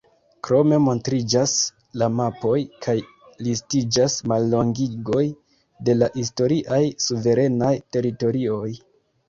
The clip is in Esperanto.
Krome montriĝas la mapoj kaj listiĝas mallongigoj de la historiaj suverenaj teritorioj.